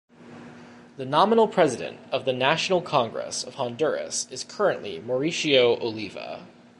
The nominal President of the National Congress of Honduras is currently Mauricio Oliva.